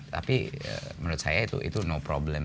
tapi menurut saya itu no problem